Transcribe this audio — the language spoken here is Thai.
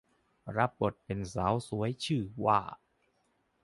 รับบทเป็นสาวสวยชื่อว่า